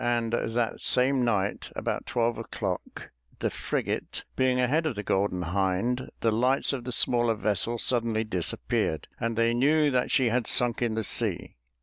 And that same night about twelve o'clock, the frigate being ahead of the Golden Hind, the lights of the smaller vessel suddenly disappeared, and they knew that she had sunk in the sea.